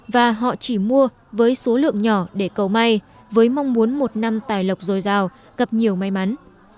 và họ chỉ mua với số lượng nhỏ để cầu may với mong muốn một năm tài lộc dồi dào gặp nhiều may mắn